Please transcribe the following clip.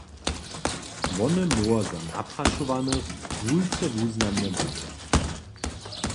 Wone móhło za naprašowanych wulce wuznamne być.